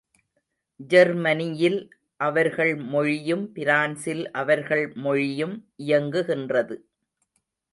Germany யில் அவர்கள் மொழியும் பிரான்சில் அவர்கள் மொழியும் இயங்குகின்றது.